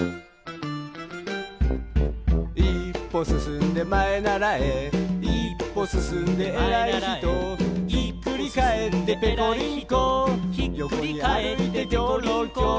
「いっぽすすんでまえならえ」「いっぽすすんでえらいひと」「ひっくりかえってぺこりんこ」「よこにあるいてきょろきょろ」